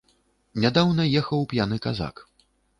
Нядаўна ехаў п'яны казак.